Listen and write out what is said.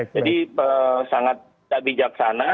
jadi sangat tak bijaksana